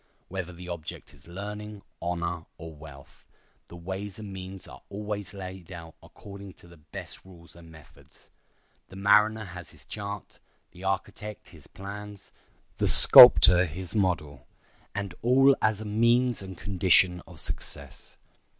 Whether the object is learning, honor, or wealth, the ways and means are always laid out according to the best rules and methods. The mariner has his chart, the architect his plans, the sculptor his model, and all as a means and condition of success.